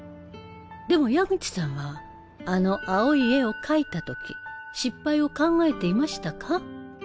でも矢口さんはあの青い絵を描いたとき失敗を考えていましたか？